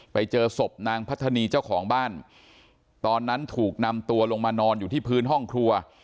ไปเจอศพนางพัฒนีเจ้าของบ้านตอนนั้นถูกนำตัวลงมานอนอยู่ที่พื้นห้องครัว